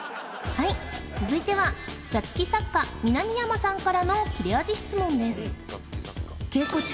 はい続いては座付き作家南山さんからの切れ味質問です